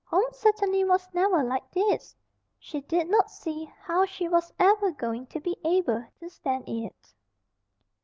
Home certainly was never like this! She did not see how she was ever going to be able to stand it.